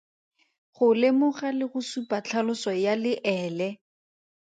Go lemoga le go supa tlhaloso ya leele.